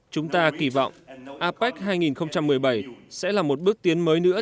chúng ta kỳ vọng apec hai nghìn một mươi bảy sẽ là một bước tiến mới nữa